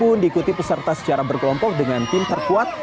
lomba ini diikuti peserta secara berkelompok dengan tim terkuat